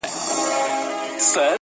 بد مه راسره کوه، ښه دي نه غواړم.